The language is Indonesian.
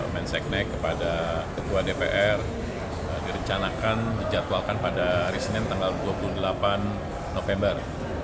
menseknek kepada ketua dpr direncanakan dijadwalkan pada hari senin tanggal dua puluh delapan november